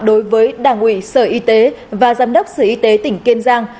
đối với đảng ủy sở y tế và giám đốc sở y tế tỉnh kiên giang